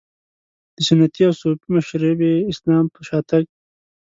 د سنتي او صوفي مشربي اسلام په شا تګ.